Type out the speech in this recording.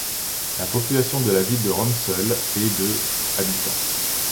La population de la ville de Rome seule est de habitants.